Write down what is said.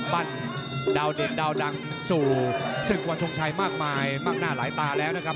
ดาวเด็ดดาวดังสู่ศึกวันทรงชัยมากมายมั่งหน้าหลายตาแล้วนะครับ